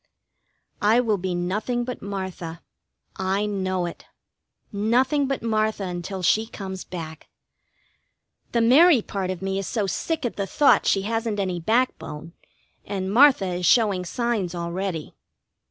I will be nothing but Martha. I know it. Nothing but Martha until she comes back. The Mary part of me is so sick at the thought she hasn't any backbone, and Martha is showing signs already.